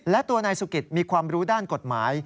และตัวนายสุกิตมีความรู้ด้านกฎหมาย